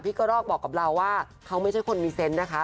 กระรอกบอกกับเราว่าเขาไม่ใช่คนมีเซนต์นะคะ